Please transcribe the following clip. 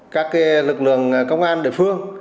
các lực lượng công an địa phương